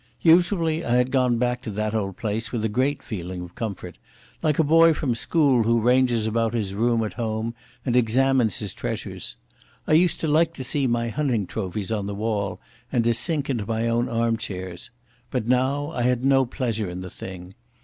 Usually I had gone back to that old place with a great feeling of comfort, like a boy from school who ranges about his room at home and examines his treasures. I used to like to see my hunting trophies on the wall and to sink into my own armchairs But now I had no pleasure in the thing.